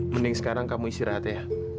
mending sekarang kamu istirahat ya